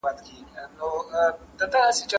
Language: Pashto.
څېړونکي باید په ورته وخت کي پر ګډه موضوع کار ونکړي.